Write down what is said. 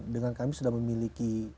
dengan kami sudah memiliki